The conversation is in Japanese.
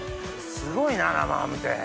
すごいな生ハムて。